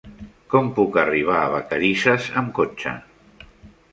Com puc arribar a Vacarisses amb cotxe?